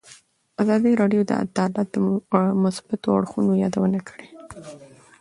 ازادي راډیو د عدالت د مثبتو اړخونو یادونه کړې.